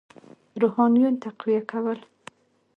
روحانیون تقویه کول.